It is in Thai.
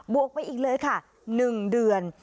วกไปอีกเลยค่ะ๑เดือน